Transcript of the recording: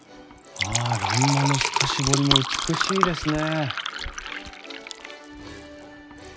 あ欄間の透かし彫りも美しいですね！